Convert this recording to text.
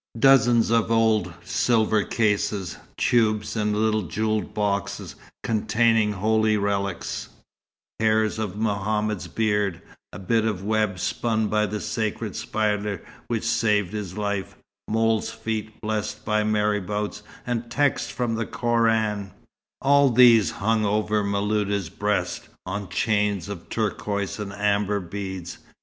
Dozens of old silver cases, tubes, and little jewelled boxes containing holy relics; hairs of Mohammed's beard; a bit of web spun by the sacred spider which saved his life; moles' feet blessed by marabouts, and texts from the Koran; all these hung over Miluda's breast, on chains of turquoise and amber beads.